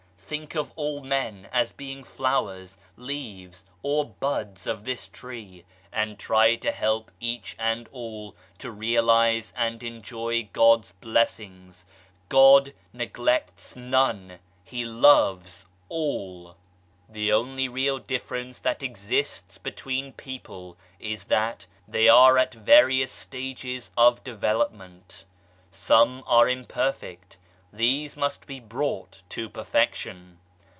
Think of all men as being flowers, leaves or buds of this Tree, and try to help each and all to realize and enjoy God's blessings. God neglects none : He loves all. The only real difference that exists between people is that they are at various stages of development. Some are imperfect these must be brought to perfection.